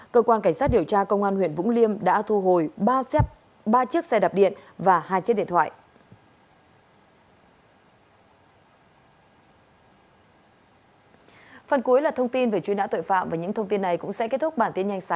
cơ quan cảnh sát điều tra công an huyện vũng liêm đã thu hồi ba chiếc xe đạp điện và hai chiếc điện thoại